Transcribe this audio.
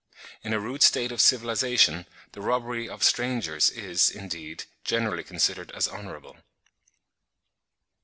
In a rude state of civilisation the robbery of strangers is, indeed, generally considered as honourable.